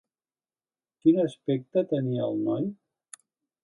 Quin aspecte tenia el noi?